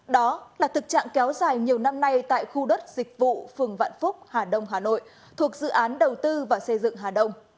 đó là thực trạng kéo dài nhiều năm nay tại khu đất dịch vụ phường vạn phúc hà đông hà nội thuộc dự án đầu tư và xây dựng hà đông